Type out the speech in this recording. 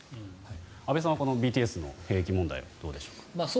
安部さんはＢＴＳの兵役問題はどうでしょうか？